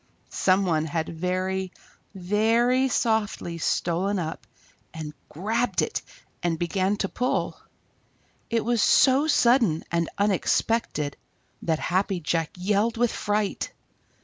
Some one had very, very softly stolen up and grabbed it and begun to pull. It was so sudden and unexpected that Happy Jack yelled with fright.